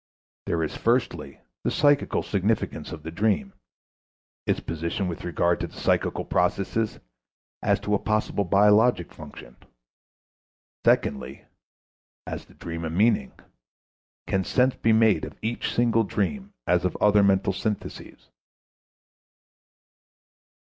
There is, firstly, the psychical significance of the dream, its position with regard to the psychical processes, as to a possible biological function; secondly, has the dream a meaning can sense be made of each single dream as of other mental syntheses?